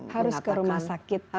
harus ke rumah sakit yang besar